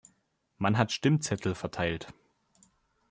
Man hat Stimmzettel verteilt.